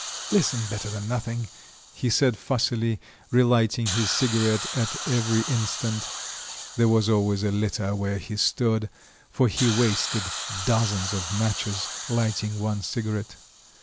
"Listen, Better than nothing," he said fussily, relighting his cigarette at every instant; there was always a litter where he stood, for he wasted dozens of matches, lighting one cigarette.